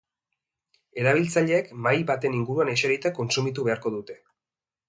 Erabiltzaileek mahai baten inguruan eserita kontsumitu beharko dute.